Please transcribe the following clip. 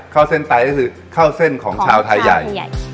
ข้าวเส้นไตก็คือข้าวเส้นของชาวไทยใหญ่